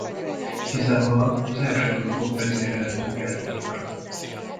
Kizárólag az első ablakok vezérelhetők elektromosan.